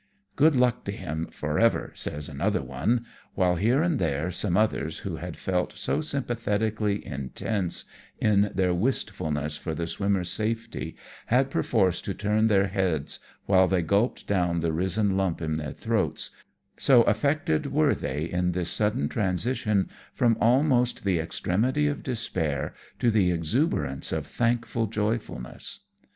" Good luck to him for ever," says another one ; while here and there, some others who had felt so sympathetically intense in their wistfulness for the swimmer's safetjj had perforce to turn their heads while they gulped down the risen lump in their throats, so affected were they in this sudden transition from almost the extremity of despair to the exuberance of thankful joyfulness.